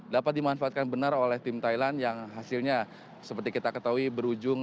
dapat dimanfaatkan benar oleh tim thailand yang hasilnya seperti kita ketahui berujung